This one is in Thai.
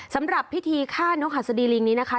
สำหรับพิธีฆ่านกหัสดีลิงนี้นะคะ